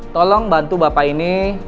tolong bantu bapak ini